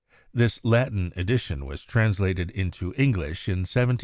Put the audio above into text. This Latin edition was translated into English in 1784 1791.